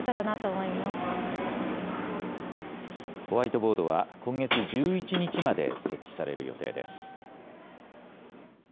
ホワイトボードは、今月１１日まで設置される予定です。